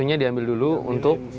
ini yang idealan buat umur desy pria